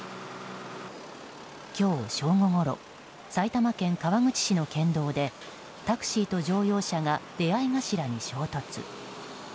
今日正午ごろ埼玉県川口市の県道でタクシーと乗用車が出合い頭に衝突。